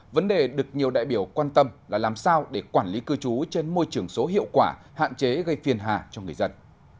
vấn đề được nhiều đại biểu quan tâm là làm sao để quản lý cư trú trên môi trường số hiệu quả hạn chế gây phiền hà cho người dân